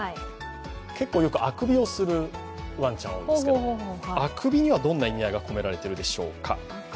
結構、よくあくびをするワンちゃん、多いですけどあくびにはどんな意味あいが込められているでしょうか。